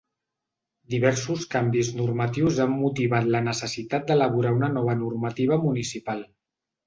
Diversos canvis normatius han motivat la necessitat d’elaborar una nova normativa municipal.